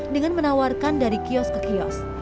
dengan menawarkan dari kiosk ke kiosk